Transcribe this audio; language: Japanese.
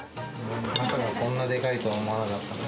まさかこんなでかいとは思わなかった。